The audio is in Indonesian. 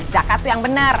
jakat tuh yang bener